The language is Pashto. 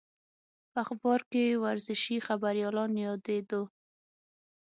په اخبار کې ورزشي خبریالان یادېدو.